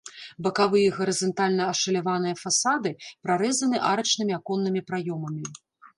Бакавыя гарызантальна ашаляваныя фасады прарэзаны арачнымі аконнымі праёмамі.